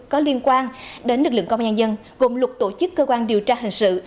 có liên quan đến lực lượng công an nhân gồm luật tổ chức cơ quan điều tra hình sự